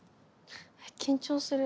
緊張する。